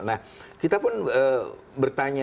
nah kita pun bertanya